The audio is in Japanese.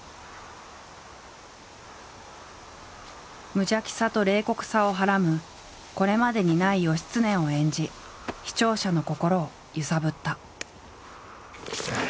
無邪気さと冷酷さをはらむこれまでにない義経を演じ視聴者の心を揺さぶった。